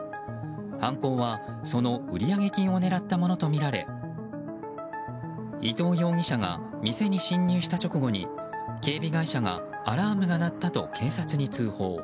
犯行は、その売上金を狙ったものとみられ伊藤容疑者が店に侵入した直後に警備会社がアラームが鳴ったと警察に通報。